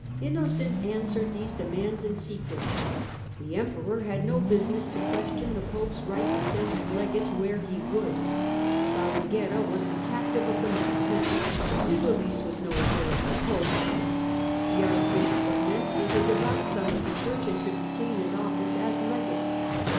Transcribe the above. Innocent answered these demands in sequence. The Emperor had no business to question the Pope's right to send his Legates where he would. Salinguerra was the captive of the men of Venice ; his release was no affair of the Pope's. The Archbishop of Mentz was a devout son of the Church and should retain his office as Legate.